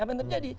apa yang terjadi